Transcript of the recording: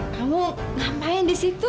kamu ngapain di situ